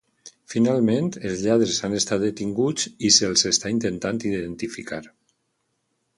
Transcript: Finalment, els lladres han estat detinguts i se'ls està intentant identificar.